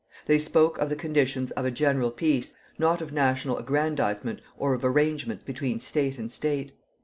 They spoke of the conditions of a general peace, not of national aggrandizement or of arrangements between state and state.